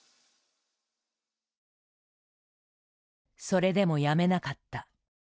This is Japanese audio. それでもやめなかった。